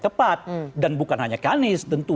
tepat dan bukan hanya ke anies tentu